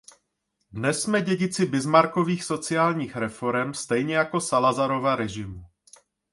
Dnes jsme dědici Bismarckových sociálních reforem, stejně jako Salazarova režimu.